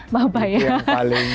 wah makasih ya pak